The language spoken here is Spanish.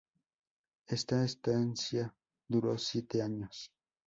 Esta estancia duró siete años.